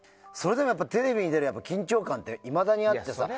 テレビに出てる緊張感はいまだにあってさ